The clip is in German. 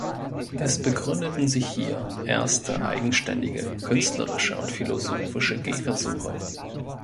Es begründeten sich hier erste eigenständige künstlerische und philosophische Gehversuche.